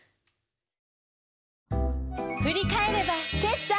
振り返れば決算。